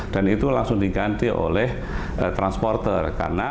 dan itu langsung diganti oleh transporter